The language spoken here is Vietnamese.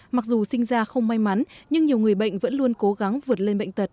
mặc dù sinh ra không may mắn nhưng nhiều người bệnh vẫn luôn cố gắng vượt lên bệnh tật